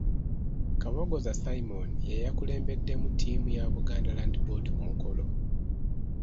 Kabogoza Simon y'eyakulembeddemu ttiimu ya Buganda Land Board ku mukolo.